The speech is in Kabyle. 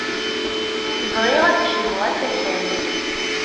Bɣiɣ ad d-kruɣ asakal.